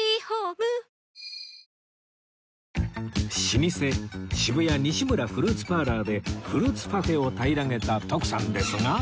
老舗渋谷西村フルーツパーラーでフルーツパフェを平らげた徳さんですが